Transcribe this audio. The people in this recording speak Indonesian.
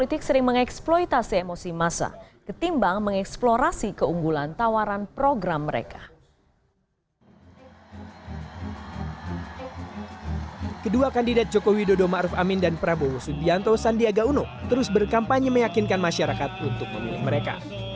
trabowo sandiaga unuk terus berkampanye meyakinkan masyarakat untuk memilih mereka